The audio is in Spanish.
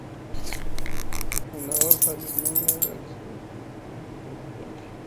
Su fundador, Xavier Muller, es guitarrista, cantante, productor, ingeniero de sonido y artista plástico.